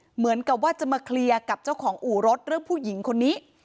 เหมือนกับว่าจะมาเคลียร์กับเจ้าของอู่รถเรื่องผู้หญิงคนนี้